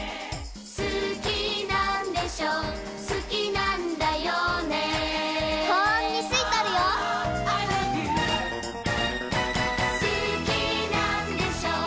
「好きなんでしょう？」